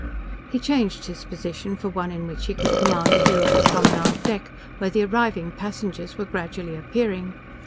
He changed his position for one in which he could command a view of the promenade deck where the arriving passengers were gradually appearing.